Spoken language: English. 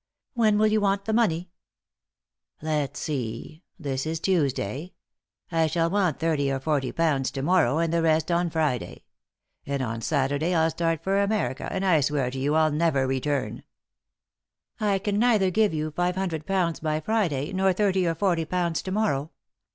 " When will you want the money ?" "Let's see — this is Tuesday. I shall want thirty or forty pounds to morrow, and the rest on Friday ; and on Saturday 111 start for America, and I swear to you I'll never return." m 3i 9 iii^d by Google THE INTERRUPTED KISS "I can neither give you five hundred pounds by Friday nor thirty or forty pounds to morrow.